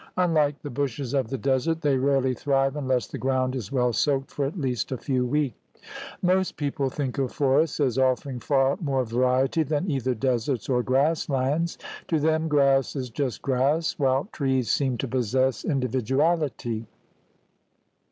Unlike the bushes of the desert, they rarely thrive unless the ground is well soaked for at least a few weeks. Most people think of forests as offering far more variety than either deserts or grass lands. To them grass is just grass, while trees seem to possess 90 THE RED MAN'S CONTINENT individuality.